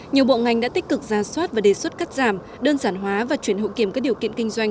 nhiều bộ ngành đã tích cực ra soát và đề xuất cắt giảm đơn giản hóa và chuyển hữu kiểm các điều kiện kinh doanh